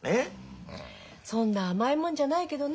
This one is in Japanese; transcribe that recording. そんな甘いもんじゃないけどね